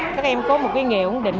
các em có một nghề ổn định